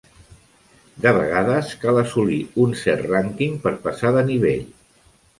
De vegades, cal assolir un cert rànquing per passar de nivell.